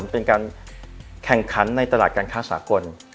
เป็นการแข่งขันในตลาดการค้าสากล